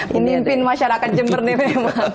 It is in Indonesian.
menimpin masyarakat jember nih memang